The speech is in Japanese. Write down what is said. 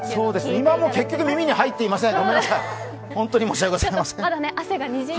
今も結局、耳に入っていません、申し訳ございません。